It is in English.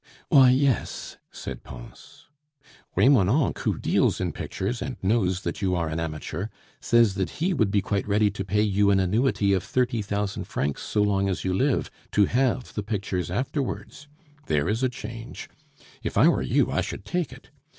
"Why, yes," said Pons. "Remonencq, who deals in pictures, and knows that you are an amateur, says that he would be quite ready to pay you an annuity of thirty thousand francs so long as you live, to have the pictures afterwards. ... There is a change! If I were you, I should take it.